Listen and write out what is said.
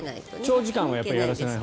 長時間はやらせないほうが。